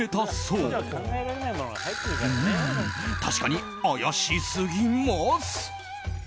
うーん、確かに怪しすぎます。